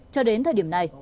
cho đến thời điểm này